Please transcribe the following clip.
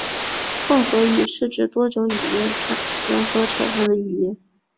混合语是指多种语言融合产生的语言。